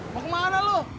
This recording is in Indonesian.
mau kemana lu